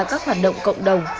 các hoạt động cộng đồng